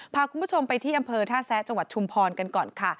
พาคุณผู้ชมไปที่อำเภอท่าแซะจังหวัดชุมพรกันก่อนค่ะ